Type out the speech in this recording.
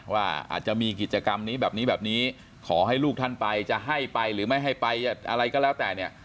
ว่าอาจจะมีกิจกรรมนี้แบบนี้แบบนี้ขอให้ลูกท่านไปจะให้ไปหรือไม่ให้ไปอะไรก็แล้วแต่เนี่ย